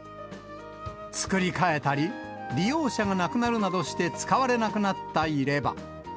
作り替えたり、利用者が亡くなるなどして使われなくなった入れ歯。